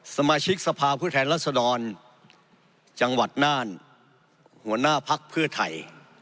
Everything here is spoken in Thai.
สมาชิกสภาพผู้แทนรัศดรจังหวัดน่านหัวหน้าพักเพื่อไทย